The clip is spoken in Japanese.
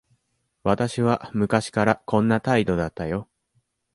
私は昔からこんな態度だったよ。